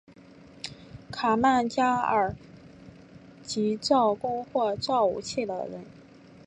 卡曼加尔即造弓或造武器的人。